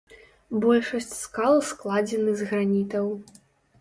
Большасць скал складзены з гранітаў.